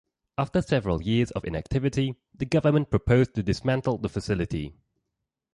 After several years of inactivity, the government proposed to dismantle the facility.